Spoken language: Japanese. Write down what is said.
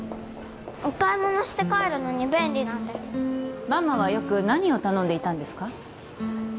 お買い物して帰るのに便利なんでママはよく何を頼んでいたんですか？